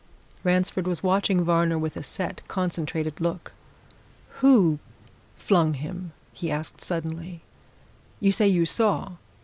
Ransford was watching Varner with a set, concentrated look. "Who flung him?" he asked suddenly. "You say you saw!"